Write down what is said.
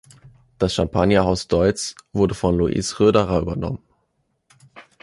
Das Champagnerhaus Deutz wurde von Louis Roederer übernommen.